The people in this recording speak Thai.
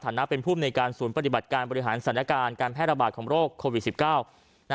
ฐานะเป็นผู้ในการศูนย์ปฏิบัติการบริหารสรรค์การแพทย์ระบาดของโรคโควิด๑๙